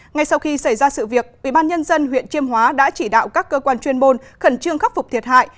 ngay sau khi xảy ra sự việc ubnd huyện chiêm hóa đã chỉ đạo các cơ quan chuyên môn khẩn trương khắc phục thiệt hại